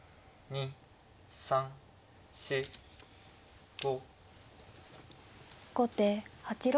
１２３４５。